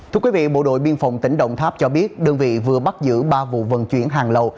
thưa quý vị bộ đội biên phòng tỉnh đồng tháp cho biết đơn vị vừa bắt giữ ba vụ vận chuyển hàng lậu